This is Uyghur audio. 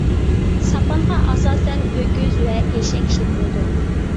ساپانغا ئاساسەن ئۆكۈز ۋە ئېشەك ئىشلىتىلىدۇ.